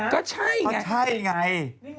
ก็ใช่ไงนี่ไง๕๐